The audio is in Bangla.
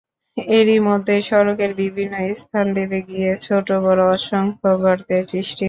এরই মধ্যে সড়কের বিভিন্ন স্থান দেবে গিয়ে ছোট-বড় অসংখ্য গর্তের সৃষ্টি হয়েছে।